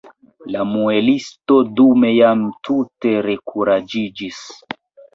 La muelisto dume jam tute rekuraĝiĝis.